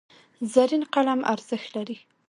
زرین قلم ارزښت لري.